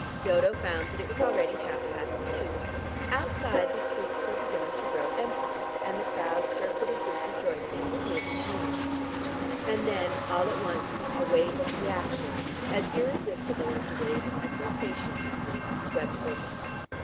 Dodo found that it was already half past two. Outside the streets were beginning to grow empty, and the crowd surfeited with rejoicing, was moving homewards. And then, all at once, a wave of reaction, as irresistible as the wave of exultation had been, swept over her.